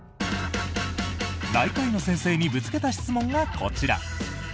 内科医の先生にぶつけた質問がこちら。